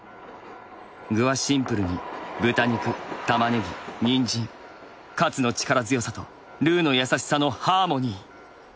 「具はシンプルに豚肉玉ねぎにんじんカツの力強さとルーの優しさのハーモニー。